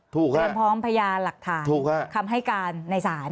คือเตรียมพร้อมพยาหลักฐานเขิมให้การในศาล